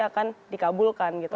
akan dikabulkan gitu